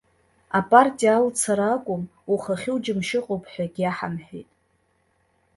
Апартиа алцара акәым, ухахь уџьымшь ыҟоуп ҳәагьы иаҳамҳәеит.